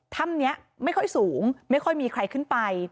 ถ้ำนี้ไม่ค่อยสูงไม่ค่อยมีใครขึ้นไป